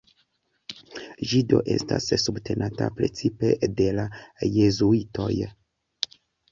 Ĝi do estas subtenata precipe de la Jezuitoj.